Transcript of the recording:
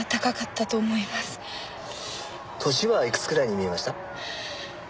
年はいくつくらいに見えました？